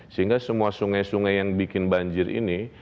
sehingga semua sungai sungai yang bikin banjir ini